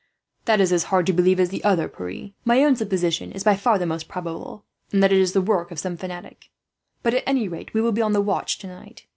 "That is as hard to believe as the other, Pierre. My own supposition is by far the most probable, that it is the work of some fanatic; but at any rate, we will be on the watch tonight.